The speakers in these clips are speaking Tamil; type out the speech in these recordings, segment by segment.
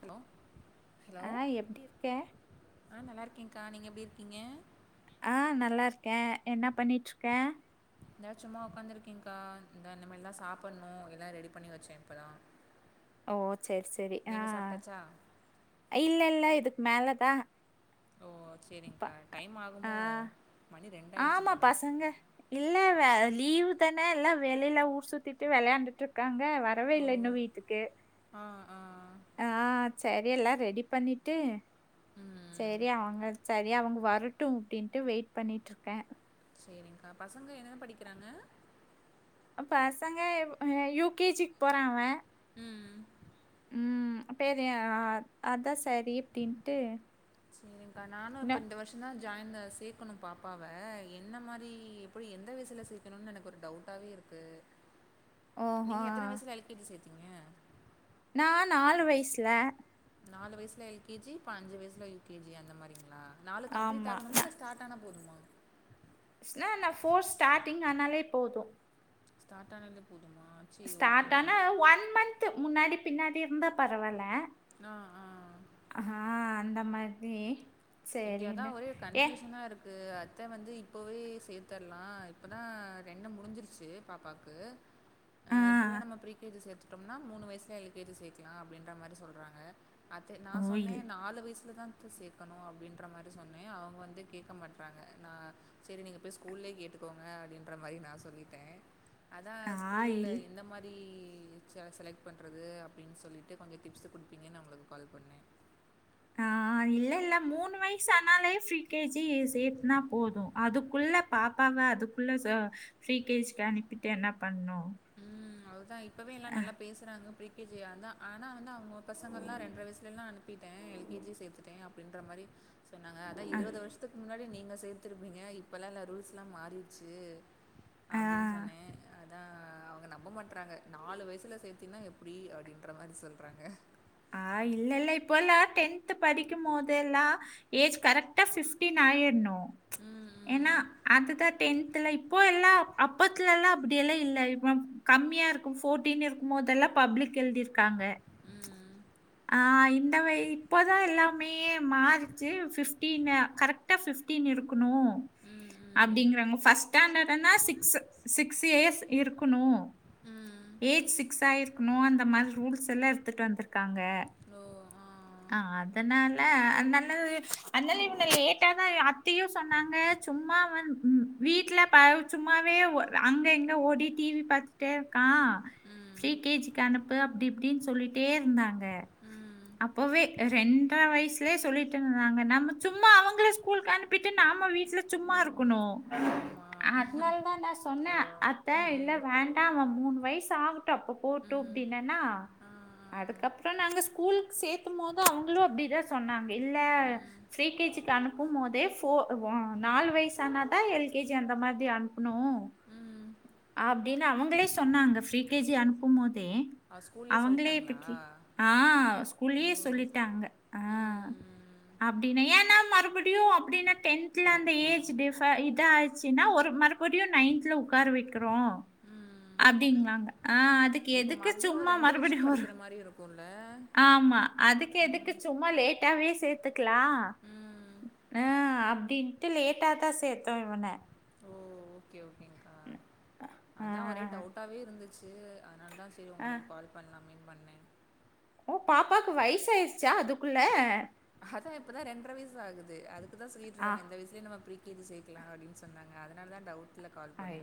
ஹலோ ஹலோ ஆஹ் எப்டி இருக்க ஆ நல்ல இருக்கேங்க்கா நீங்க எப்டிருக்கீங்க ஆ நல்லாருக்கே என்னா பண்ணிட்ருக்க எாச்சு சும்மா உக்காந்துருக்கீங்க்கா இந்த நம்ம எல்லா சாப்பணு எல்லா ரெடி பண்ணி வச்சே இப்போதா ஓ சரி சரி ஆ இல்ல இல்ல இதுக் மேலதா ஓ ப சரிங்க்கா டைம் ஆ ஆகுமோ மணி ரெண்டாயிடுச்சு ஆமா போல பசங்க இல்ல வ லீவு தான எல்லா வெளில ஊர் சுத்திட்டு வெளையாண்டுட்டு இருக்காங் க வரவே ஓ இல்ல இன்னு வீட்டுக்கு ஆ ஆ ஆ சர் எல்லா ரெடி பண்ணிட்டு ம் சேரி அவங்க சரி அவங்க வரட்டு அப்டின்ட்டு வெய்ட் பண்ணிட்டுருக்க சரிங்க்கா பசங்க என்னன படிக்கிறாங்க அ பசங்க அ யூ கே ஜிக்கு போறா அவ ம் ம் பெரிய அதா சரி அப்டின்ட்டு சரிங்கா நானு இன்னு இப்ப இந்த வருஷோந் தா ஜாய்ன் சேக்கணு பாப்பாவ என்ன மாரி எப்டி எந்த வயசுல சேக்கணுன் எனக்கு ஒரு டவ்ட்டாவே இருக் ஓஹோ நீங்க எத்தன வயசுல எல் கே ஜி சேத் நா நாலு வயசுல நாலு வயசுல எல் கே ஜி இப்ப அஞ்சு வசுலய யு கே ஜி அந்த மாரிங்களா நாலு கம்ப்ளீட ஆமா ஆகனுமா ஸ்டாட் ஆனா போதுமா ஸ்னா என்ன போஃர் ஸ்டார்டிங் ஆனாலே போது ஸ்டார்ட் ஆனாலே போது ஸ்டார்ட் ஆனா ஒன் மந்த்த் முன்னாடி பின்னாடி இருந்தா பரவால்ல ஆ ஆ ஆ அந்த மாதிரி இங்க அதா சேரின்னு ஒரே ஏ கன்ஃப்யூசனா இருக்கு அத்த வந்து இப்போவே சேத்தர்லா இப்பதா ரெண்டு முடிஞ்சிருச்சு பாப்பாக்கு அ ஆ இப்பவே நம்ம ப்ரீ கே ஜி சேத்துடம்னா மூனு வயசுல எல் கே ஜி சேக்கலா அப்டின்ற மாரி சொல்றாங்க அது நா சொன்னே ஓயில் நாலு வயசுலதாத்த சேக்கணு அப் டின்ற மாரி சொன்னே அவங்க வந்து கேக்க மாட்றாங்க நா சேரி நீங்க பேய் ஸ்கூல்லே கேட்டுக்கோங்க அப்டின்ற வை நா சொல்லிட்ட அதா ஸ்கூல்ல ஆயில் எந்த மாரி இ செ செலக்ட் பண்றது அப்டின் சொல்லிட்டு கொஞ்சோ டிப்ஸ் குடுப்பீங்கன் உங்களுக்கு கால் பண்ணே ஆ ஆ இல்ல இல்ல மூணு வயசு ஆனாலே ப்ரீ கே ஜி சேத்னா போது அதுக்குள்ள பாப்பா வ அதுக்குள்ள ச ப்ரீ கே ஜிக்கு அனுப்பிட்டு என்னா பண்ணு அதுதா இப்பவே எல்லா ஆ நல்லா பேசுறாங்க ப்ரீ கே ஜி அதா ஆனா வந்து அவங்க பசங்கெல்லா ரென்ர வயசுலலா அனுப்பிட்ட எல் கே ஜி சேத்துட்ட அபடின்ற மாரி சொன்னாங்க அதா ஆ இருவது வருஷத்துக்கு முன்னாடி நீங்க சேத்துருப்பீங்க இப்பல்லா இல்ல ரூல்ஸ்ல்லா மாறிற்ச்சு அப்டின் ஆ சொன்னே அ அவங்க நம்ப மாட்றாங்க நாலு வயசுல சேத்தீன்னா எப்டி அப்டின்ற மாரி சொல்றாங்க ஆ இல்ல இல்ல இப்போல்லா டென்த் படிக்கும் போதெல்லா ஏஜ் கரெக்டா பிப்டின்னா ஆயிறனு ம், ஏனா ம். அது தா டென் த்ல இப்போ எல்லா அப்பத்துல எல்லா அப்டியெல்லா இல்ல இ கம்மியா இருக்கு போர்டீன் இருக்கும்போதெல்லா பப்ளிக் எழ்திருக்காங்க ம், ஆ இந்த வய் இப்போதா எல்லாமே மாறிச்சு பிப்டீன்னு கரெக்டா பிப்டீனு இருக்கணு ம். அப்டிங்கறாங்க ஃபஸ்ட் ஸ்டாண்டர்டனா சிக்ஸ் சிக்ஸ் ஏயஸ் இருக்கணு ம். ம். ஏஜ் சிக்ஸ் ஆய்ருக்கணு அந்த மாரி ரூல்ஸ் எல்லா எட்த்துட்டு வந்துருக்கு க்காங்க ஓ! ஆ. ஆ அதனால அ அன்னால இ இல்ல லேட்டா தா எ, அத்தையு ஸ் சொன்னாங்க சும்மா வந் ம் வீட்ல பௌ சும்மாவே ஒ, அங்க இங்க ஓடி டி வி பா பாத்துட்டே இருக்கா ம். ஃப்ரீ கே ஜிக்கு அனுப்பு அப்டி இப்டின் சொல்லிட்டே இருந்தாங்க ம். அப்பவே ரெண்ர வயசுலே சொல்லிட்டு இருந்தாங்க நம்ம சும்மா அவங்கள ஸ்கூலுக்கு அனுப்பிட்டு நா நம்ம வீட்ல சும்மாருக் குணு ஆமா. அத்னால தா நா சொன்ன அத்த இல்ல ம். வேண்டா அவ மூணு வயசு ஆகட்டு அப்ப போவுட்டு ம். அப்டின்னன்னா ஆ ஆ அதுக்கு அப்றோ நாங்க ஸ்கூலுக் சேத்தும் போது அவங்களு அப்டிதா சொன்னாங்க இல்ல ஃப்ரீ கே ஜிக்கு அனுப்பு போம் போதே ஃபோ ஒ நாலு வயசு ஆனாதா எல் கே ஜி அந்த மாதி அனுப்ணு ம் அப்டின்னு அவங்களே சொன்னாங்க ஃப்ரீ கே ஜி அனுப்பும் போத் தே அவ ஸ்கூல்லேயே அவங்களே சொல்லிட்டாங்களா இப்பக்கி ஆ ஸ்கூல்லயே ஓ சொல்லிட்டாங்க ஆ ம் அப்டின்னா ஏன்னா மறுபடியு அப்டின்னா டென்தல அந்த ஏஜ் டிஃப இத ஆச்சுன்னா ஒரு மறுப் புடியு நையன்த்துல உக்கார வைக்கிறோ அப்டிங்களாங்க அ அதுக் இப்ப மறுபடியு ரெண்டு வருஷோ படிக்கிற மாரியு இருக்குள் ஆமா அதுக்கு எதுக்கு சும்மா லேட்டாவே சேத்துக்கலா ம் ஆ அப்டின்ட்டு லேட்டாதா சேத்தோ இவன ஓ ம் அதா ஒரே டவுட்டாவே இருந்துச்சு அதனால தா செரி ஆ உங்களுக்கு கால் பண்ணலாமேனு பண்ணேன் ஓ பாப்பாவுக்கு வயசாயிடுச்சா அதுக்குள்ள அதா இப்பதா ரெண்ர வயசு ஆகுது, ஆதுக்குதா ஆ சொல்லிட்ருக்காங்க இந்த வயசுலயே நம்ம ப்ரீக் கே ஜி சேக்கலா அப்டின்னு சொன்னாங்க அதனாலாதா டவுட் ஐ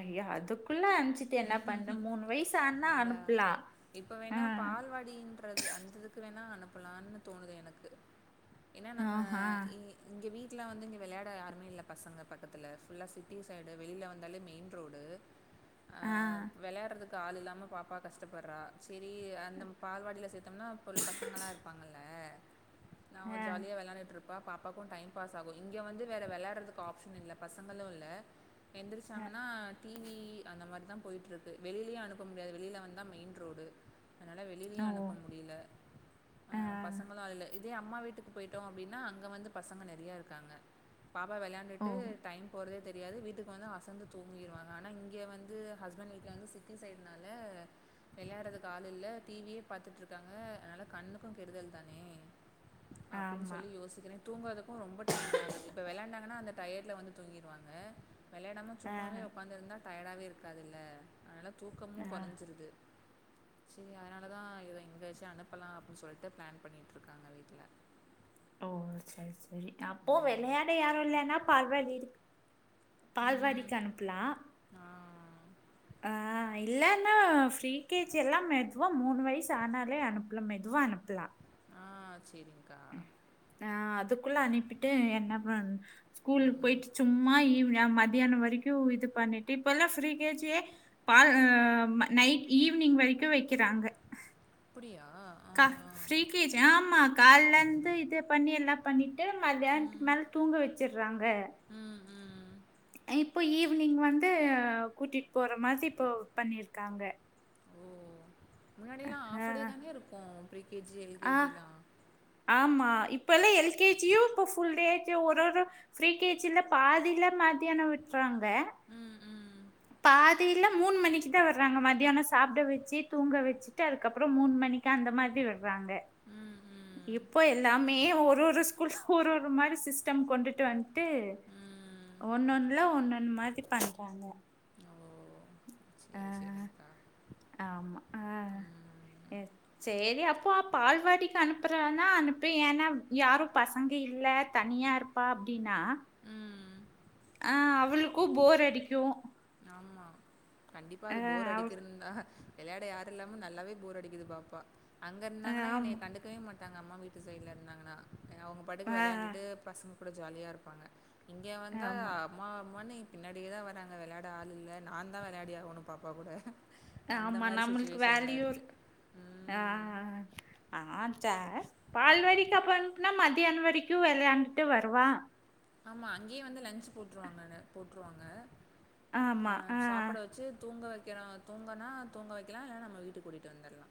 ஐயா அதுக்குல்லா அஞ்சி அதா அனுப்பலாம் இப்ப ஆ வேணா பால்வடின்றது அந்த இதுக்கு வேணா அனுப்பலான்னு தோணுது எனக்கு என்னா நம்ம ஆஹா இங்க, இங்க வீட் ட்டுல வந்து இங்க விளையாட யாருமே இல்ல பசங்க பக்கத்துல ஃபுல்லா சிட்டி சைடு வெளில வந்தாலே மெயின் ரோடு ஆ கால் இல்லாம பாப்பா கஷ்டப்படுறா ம்ச் செரி அந்தம் பால்வாடியில சேத்தம்னா இப்ப உள்ள பசங்களா இருப்பாங்கள்ல நாவ ஆ ஜாலியா வெளாண்டுட்ருப் ப பாப்பாக்கு டைம் பாஸ் ஆகு இங்க வந்து வேற வெளாடுறதுக்கு ஆப்ஷன் இல்ல பசங்களு இல்ல எந்திரிச்சாங்கன்னா டி அந்த மாரி தா போய்ட்ருக்கு வெளிலயு அனுப்ப முடியாது வெளியில வந்தா மெயின் ரோடு அதனால வெளிலயு ஆ, ஓ அனுப்ப முடியில ஆ பசங்களு அதுல இல் இதே அம்மா வீட்டுக்கு போயிட்டோ அப்டின்னா அங்க வந்து பசங்க நெறையா இருக்காங்க பாப்பா ஓ வெளையாண்டுட்டு டைம் போறதே தெரியாது வீட்டுக்கு வந்து அசந்து தூங்கிருவாங்க ஆனா இங் இங்க வந்து ஹஸ்பெண்ட் வீட்ல வந்து சிட்டி சைட்னால வெளையாடுறதுக்கு ஆளு இல்ல டி வியே பாத்தட்ருக் க்காங்க அதனால கண்ணுக்கு கெடுதல் தானே அப்டின் ஆமா சொல்லி யோசிக்கிறே தூங்கறதுக்கு ரொம்ப டைம் ஆகுது இப்ப வெளாண்டாங்கன்னா அந்தப் டயர்ட்டுல வந்து தூங்கிருவாங்க வெளையாடாம ஆ சும்மாவே ஒக்காந்திருந்தா டயர்டாவே இருக்காதுல்ல அனாலப் தூக்கமு ஆ கொறஞ்சிருது செரி அதனால தா இவள எங்கயாச்சு அனுப்பலா அப்புன்னு சொல்ட்டு பிளான் பண்ணிட்ருக்காங்க வீட்ல ஓ சரி சரி அப்போ ம் வெளையாட யாரு இல்லன்னா பால்வாடி இருக் ம் பால்வாடிக்கு அனுப்புலா ஆ ஆ இல்லன்னா ஃப்ரீ கே ஜி எல்லா மெத்வா மூணு வயசு ஆனாலே அனுப்புலா மெதுவா வ அனுப்புலா ஆ சரிங்க்கா. ஆ அதுக்குள்ள அனுப்பிட்டு என்னப் வந் ஸ்கூலு ம் போயிட்டு சும்மா ஈவ்யா மதியானோ வரைக்கு இது பண்ணிட்டு இப்போல்லா ஃப்ரீ கே ஜி கே பால் அ, ம நைட் ஈவினிங் வரைக்கு வைக்கிறாங்க அப்டியா ஆ ஆ கால்லந்து இது பண்ணி எல்லா பண்ணிட்டு மத்யான்துக் ம் மேல் தூங்க வெச்சுற்றாங்க ம் ம் இப்போ ஈவினிங் வந்து கூட்டிட் போற மாரி இப்போ பண்ணிருக்காங்க முன்னாடில்லா ஆஃபடேதானே ருக்கு ப்ரி அ ஆமா இப்பெல்லா எல்கேஜியு இப்பு ஃபுல் டே [unintelligible] ஒரொரு ஃப்ரீ கேஜில பாதில மத்தியானோ விட்றாங் க ம் ம் பாதியில மூண் மணிக்கு தா விர்றாங்க மத்தியானோ சாப்ட வெச்சி தூங்க வெச்சுட்டு அதுக்கப்புறோ மூண் மணி க்கா அந்த மாதி விட்றாங்க ம் ம் இப்போ எல்லாமே ஒரு ஒரு ஸ்கூல்ஸ்கு ஒரு ஒரு மாரி சிஸ்டம் கொண்டுட்டு வந் ட்டு ம் ஒன்னொல்ல ஒன்னு அந்மாதிரி பண்றாங்க ஆ செரி செரிங்க [unintelligible] ஆமா அ எ சேரி அப்போ பால்வாடிக் அனுப்புறன அனுப்பு ஏன்னா யாரு பசங்க இல் த தனியா இருப்பா அப்டீனா ம் அ அவுளுக்கு போர் அடிக்கு ஆமா கண்டிப்பா அது ஆ போர் அவ் அடிக்கிறதுந் அ ஹ வெளையாட யார் இல்லாமு நல்லாவே போர் அடிக்குது பாப்பா அங்க இர்ந்தாங்கன்னா என்னைய ஆமா கண்டுக்கவே மாட்டாங்க அம்மா வீட்டு சைட்ல இர்ந்தாங்கனா அ அவுங்க பாட்டுக்கு ஆ வெளையாண்டுட்டு பசங்க கூட ஜாலியா இருப்பாங்க இங்கே வந்தா ஆமா அம்மா அம்மானு பின்னாடியே தா வராங்க வெள்யாட ஆள் இல்ல நா தா வெள்யாடி ஆகணு பாப்பா கூட அந்த ஆமா மாதிரி நம்மளுக்கு சுச்சுவேஷன்ல இருக்கு வேலியுருக் அ உம் அ அ ஆ சேர் பால்வாடிக்கு அப்பன்ப்புனா மதியானு வரிக்யு வெளையாண்டுட்டு வருவா ஆமா அங்க்யே வந்து லன்ச்சு போட்ருவாங்கன போட்ருவாங்க ஆமா அ க்கறோ தூங்கனா தூங்க வெக்கலா இல்லனா நம்ம வீட்டுக் கூட்டிட்டு வந்தற்லா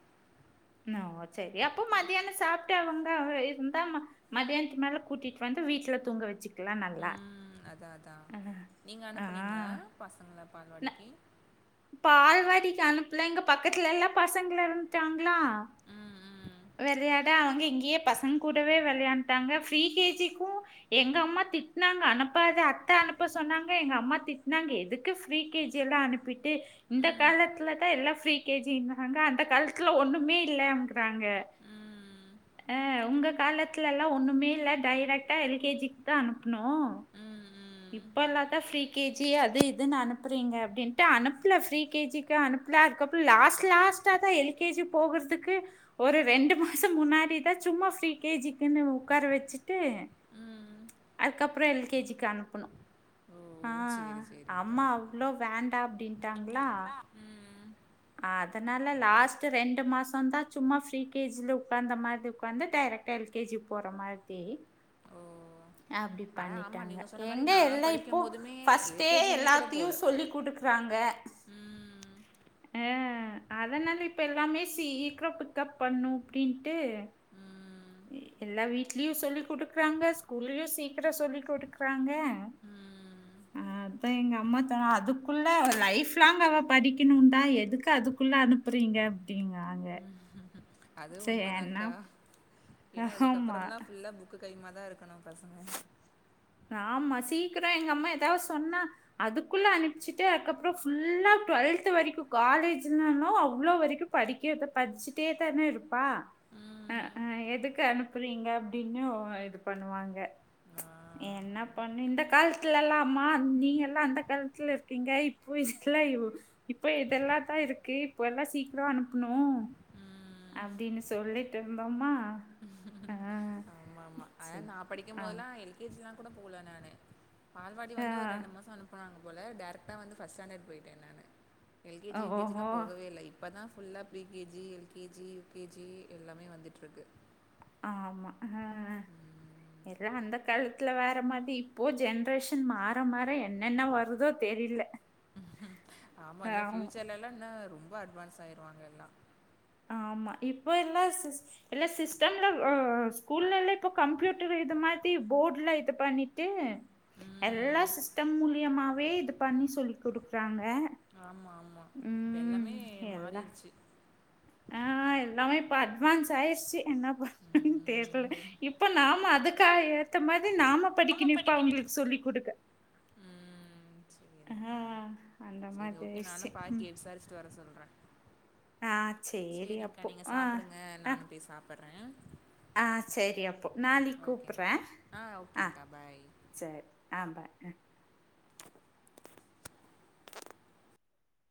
ஓ சேரி அப்போ மத்தியான சாப்ட்டு அவுங்க அ இருந்தா ம மதியான்துக் மேல கூட்டிட் வந் து வீட்ல தூங்க வெச்சுக்கலாங்னாங்ளா ம். அதான் அதான். நீங்க அனுப்புனீங்ளா பசங்ள பால்வாடிக்கி பால்வாடிக் அனுப்புல இங்க பக்கத்லெல்லா பசங்ள இருந்ட்டாங் ளா ம், ம். வெளையாட அங்க இங்கியே பசங் கூடவே வெ விளயாண்டாங்க ஃப்ரி கே ஜிக்கு எங்க அம்மா திட்னாங்க அனுப்பாத அத்த அனுப்ப சொன்னாங்க எங்க அம்மா திட்னாங்க எதுக்கு ஃப்ரீ கே ஜி எல்லா அனுப்பிட் டு இந்த காலத்துலதா எல்லா ஃப்ரீ கேஜிங்குறாங்க அந்த கால்த்துல ஒண்ணுமே இல்லங்குறாங்க ம். அ உங்க காலத்லெல்லா ஒண்ணுமே இல்ல டைரக்டா எல் கே ஜிக் தா அனுப்புனோ ம், ம். இப்போ எல்லத்தா ஃப்ரீ கே ஜி அது இதுன் அனுப்புறீங்க அப்டின்ட்டு அனுப்புல ஃப்ரீ கே ஜிக்கு அனு ப்புல அதுக்கப்பு லாஸ் லாஸ்ட்டா தா எல் கே ஜி போகுற்துக்கு ஒரு ரெண்டு மாசோ முன்னாடி தா சும்மா ஃப்ரீ கே ஜிக்குனு உக்கார வெச்சிட்டு ம். அதுக்கப்புறோ எல் கே ஜிக் அனுப்புனோ ஓ! அ சரி, சரிங்க்கா. அம்மா அவ்ளோ வேண்டா அப்டின்ட்டாங்ளா ம். அதனால லாஸ்ட்டு ரெண்டு மாசோந் தா சும்மா ஃப்ரீ கே ஜில உக்காந்த மாதி உக்காந்து டே ரக்டா எல் கே ஜிக் போற மாதி ஓ! அப்டி ஆனா ஆமா, பண்ணிட்டாங்க நீங்க சொன்ன மாரி எங்க நான் எல்லா இப்போ படிக்கும்போதுமே பஸ்ட்டே எல்கேஜியுமே கூட எல்லாத்தியு போல. சொல்லி குடுக் றாங்க ம். அ அதனால இப்ப எல்லாமே சீக்ரோ பிக்கப் பண்ணு அப்புடீன்ட்டு ம். உம் எல்லா வீட்லியு சொல்லி குடுக்றாங்க ஸ்கூல்லியு சீக்கிர சொல்லி குடுக்றாங்க ம். அதா எங்க அம்மா [unintelligible] அதுக்குள்ள லைஃப்லாங் அவ படிக்கணுன்தா எதுக்கு அது க்குள்ள அனுப்புறீங்க அப்டிங்காங்க அது சரி என்ன உண்மதான்கா ஏனா ஆமா இதுக்கப்புறம்லா ஃபுல்லா புக்கு கைமா தான் இருக்கணு பசங்க ஆமா சீக்கிர எங்க அம்மா எதாது சொன்னா அதுக்குள்ள அனுப்ச்சுட்டு அதுக்கப்புறம் ஃபுல்லா டுவெல் த்து வரைக்கும் காலேஜ்ன்னாலு அவ்வளவு வரைக்கும் படிக்க படிச்சிட்டே தானே இருப்பா அ ம். அ எதுக்கு அனுப்புறீங்க அப்படின்னு இது பண்ணுவாங்க ஆ. என்ன பண்ணு இந்த காலத்துல எல்லா ஆமா நீங்க எல்லாம் அந்த காலத்துல இருக்கீங்க இப்போ இல இப்ப இதெல்லா தான் இருக்கு இப்ப எல்லா சீக்கிர அனுப்ணு ம். அப்டினு சொல்லிட்டு இருந்தோமா ஆ அதெ சரி நான் ஆ படிக்கும்போதெல்லா எல்கேஜிலா கூட போல நானு பால்வாடி வந்து ஒரு ரெண்டு மாசொ அனுப்பனாங்க போலெ டேரக்டா வந்து ஃபஸ்ட் சாண்டட் போய்ட்டே நானு ஆ எல்கஜியுகேஜிலா ஓஹோ போகவே இல்லெ இப்பதா ஃபுல்லா பிரிகேஜி எல்கேஜி யுகேஜி எல்லாமே வந்துட்ருக்கு ஆமா ஆ ஆ எல்லா அந்த காலத்ல வேற மாரி இப்போ ஜென்ரேஷன் மாற மாற என்னென்ன வருதோ தெ தெரில்ல ஆமா இன்னு ஃபியூச்சர்ல எல்லா இன்னு ரொம்ப அட்வான்ஸ் ஆயிருவாங்க எல்லா ஆமா இப்போ எல்லா எல்லா சிஸ்டம்ல ஸ்கூல்லெல்ல இப்ப கம்ப்யூட்டர் இது மாரி த்தி போடுல இது பண்ணிட்டு எல்லா ம் சிஸ்டம் மூலியமாவே இது பண்ணி சொல்லி் குடுக்குறாங்க ஆமா ஆமா ப்ப ம் எல்லாமே எல்லாம் மாறிர்ச்சு நம இப்ப அட்வான்ஸ் ஆயிர்சு என்ன பண் தெரில ம் இப்ப நாம அதுக்கா ஏத்த மா தி அது நாம படிக்கணு இப்ப அவங்ளுக்கு சொல்லி் குடுக்க ம் ஆ சரிங்கக்கா அந்த சரி மாதிரி ஓகே ஆயிடுச்சு நானு ம் பார்கெ விசாரிச்சுட்டு வர சொல்ற ஆ சேரி செரி்ங்கா அப்போ நீங்க ஆ சாப்டுங்க ஆ நானும் போய் சாப்பறே ஆ சரி அப்போ நாளிக் ஓகேங்க கூப்றே ஆ ஓகேங்க்கா பாய் செரி ஆ பாய்